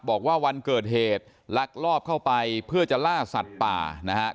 บอกว่าวันเกิดเหตุลักลอบเข้าไปเพื่อจะล่าสัตว์ป่านะครับ